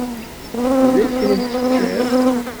Yella kra i teččiḍ?